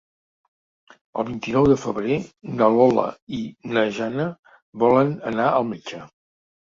El vint-i-nou de febrer na Lola i na Jana volen anar al metge.